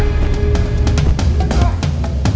kau tak bisa berpikir pikir